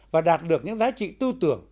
và đạt được những giá trị tư tưởng